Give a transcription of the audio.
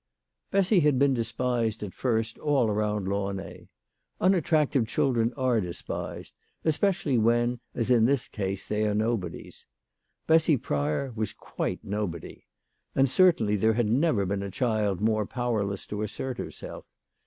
Bessy had been despised at first all around Launay. Unattractive children are despised, especially when, as in this case, they are nobodies. Bessy Pry or was quite nobody. And certainly there had never been a child more powerless to assert herself.